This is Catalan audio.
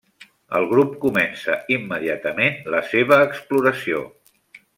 El grup comença immediatament la seva exploració.